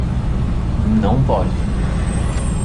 Não pode